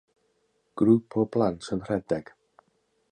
Grŵp o blant yn rhedeg.